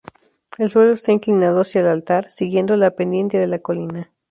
El suelo está inclinado hacia el altar, siguiendo la pendiente de la colina.